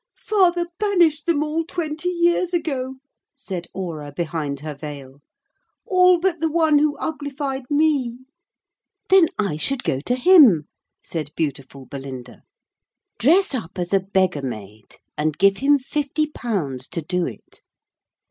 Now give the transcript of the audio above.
'Father banished them all twenty years ago,' said Aura behind her veil, 'all but the one who uglified me.' 'Then I should go to him,' said beautiful Belinda. 'Dress up as a beggar maid, and give him fifty pounds to do it.